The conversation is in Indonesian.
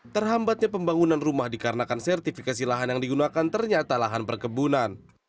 terhambatnya pembangunan rumah dikarenakan sertifikasi lahan yang digunakan ternyata lahan perkebunan